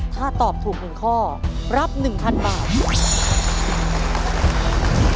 ถ้าตอบถูก๑ข้อรับ๑๐๐๐บาท